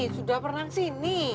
sudah pernah kesini